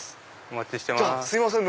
お待ちしてます。